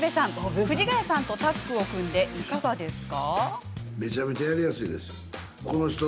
藤ヶ谷さんとタッグを組んでいかがですか？